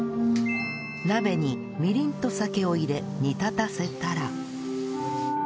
鍋にみりんと酒を入れ煮立たせたら